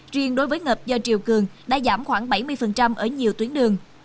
riêng đối với ngập do triều cường đã giảm khoảng bảy mươi ở nhiều tuyến đường